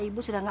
ibu dari mana